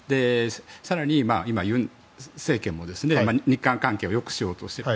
更に今、尹政権も日韓関係を良くしようとしている。